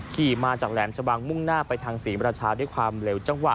ขี่มาจากแหลมชะบังมุ่งหน้าไปทางศรีมราชาด้วยความเร็วจังหวะ